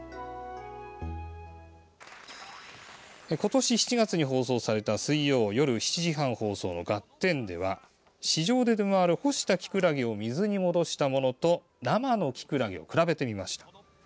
今年７月に放送された水曜日夜７時半放送の「ガッテン！」では市場で出回る干したキクラゲを水に戻したものと生のキクラゲを比べてみました。